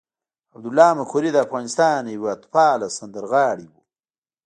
عبدالله مقری د افغانستان یو هېواد پاله سندرغاړی وو.